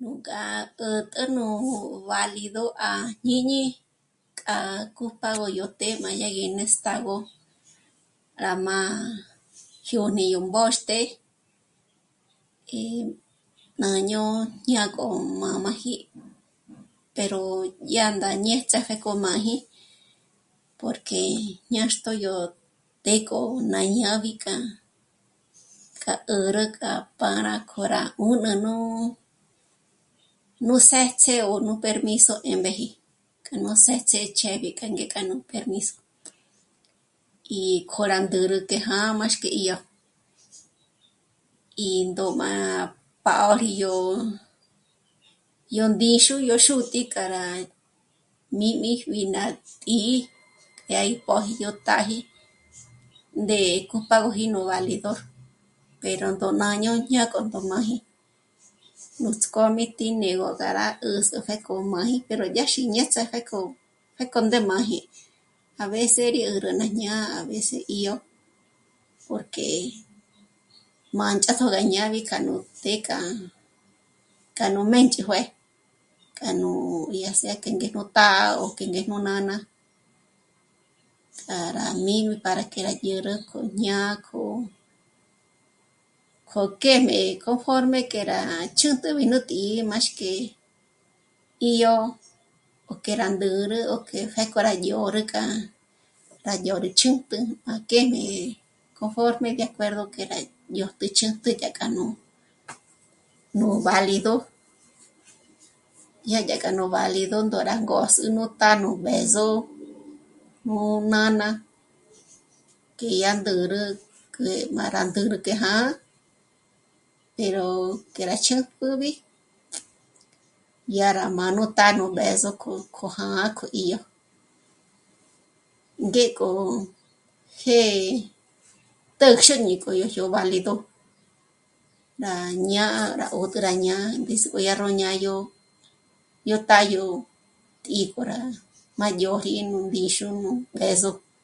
Nú k'a 'ä̀t'ä nú válidor à jñíñi k'a cúpagö yó të́'ë má yá gí nestágö rá má jyón'i yó mbóxte í má jñò'o ñâk'o mā̌māji pero dyá ndá ñéts'e pjék'o máji porque ñâxto yó të́'ë k'o má ñábi k'a, k'a 'ä̌rä rá pâra k'o rá 'ùnü nú, së̌ts'ë ó nú permiso 'e më́ji k'a nú së̌ts'ë ch'eb'i k'a ngék'a nú permiso í kjó'o rá ndúru t'èjà'a m'áxk'e í yó... í ndòm'a pá'oriji yó, yó ndíxu, yó xútǐ'i k'a rá míjm'ibi ná tǐ'i k'e í póji yó táji ndé'e cúpagöji nú válidor pero ndó má nò ñá'a máji, nuts'k'ó mí tí né'egö k'a rá 'ä̌s'ü pjék'o rá 'ómáji pero dyáji ñé ts'á'a pjék'o, pjék'o ndémaji. A veces yó 'ä̌rä rá jñá'a, a veces 'í'o porque mânch'atjo gá ñábi k'a nú të́'ë k'a, k'a nú mbéch'ijuë, k'a nú í yá sea que ngéjnú tá'a ó que ngéjnú nána k'a rá mí'b'e para que rá dyä́rä k'o jñá'a k'o, k'o kjë̌m'e conforme k'e rá chǖ̌t'übi nú tǐ'i máxk'e 'íyo ó k'e rá ndä̌rä o k'e pjék'o rá dyö̌rk'a pa yó rú chǖ̌t'ü má k'e né conforme de acuerdo k'e rá dyójt'e chǖ̌t'ü dyá kja nú, nú válido, dyá, dyá k'a nú válido 'é ndó rá ngö̌s'ü nú tá'a, nú b'ë̌zo, nú nána k'e yá ndä̌rä k'e má rá ndǚrü k'e já'a pero k'e rá chǖ̌t'p'ubi dyá rá má nú tá'a nú b'ë̌zo k'o, k'o já'a k'o 'í'o. Ngék'o jë́'ë t'ǚnxü ñé k'o yó válido nà ñá'a nà 'ö́t'ü rá ñá'a ndízik'o yá ró ñá'a yó táyo tí'i k'o rá má dyórji nú ndíxu, nú b'ë̌zo, ngék'a jé cupágoji k'a nú válido à jñiñi k'a